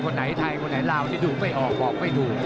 คนไหนไทยคนไหนลาวนี่ดูไม่ออกบอกไม่ถูก